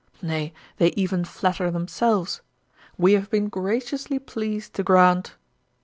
Nay, they even flatter themselves; "we have been graciously pleased to grant."